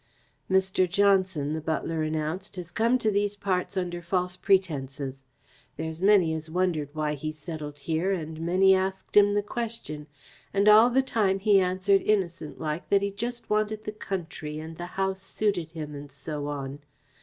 "Mr. Johnson," the butler announced, "has come to these parts under false pretences. There's many has wondered why he settled here and many asked him the question, and all the time he answered innocent like that he just wanted the country and the house suited him, and so on.